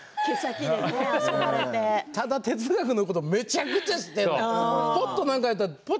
ただ哲学のことめちゃくちゃ知っているんですよ。